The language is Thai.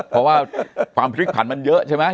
เพราะว่าความพลิกผันมันเยอะใช่ไหม